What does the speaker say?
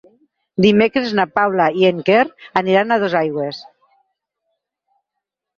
Dimecres na Paula i en Quer aniran a Dosaigües.